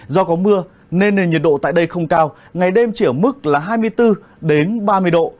do có mưa nên nền nhiệt độ tại đây không cao ngày đêm chỉ ở mức hai mươi bốn ba mươi độ